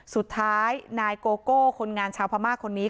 สุดท้ายนายโกโก้คนงานชาวพม่าคนนี้